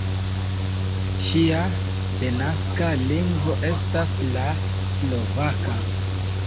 Ŝia denaska lingvo estas la slovaka.